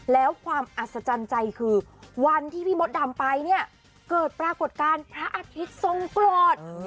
แล้วความอัศจรรย์ใจคือวันที่พี่มดดำไปเนี่ยเกิดปรากฏการณ์พระอาทิตย์ทรงโกรธ